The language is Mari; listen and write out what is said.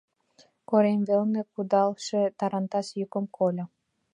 Корем велне кудалше тарантас йӱкым кольо.